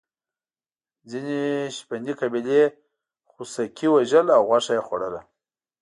ځینې شپنې قبیلې خوسکي وژل او غوښه یې خوړله.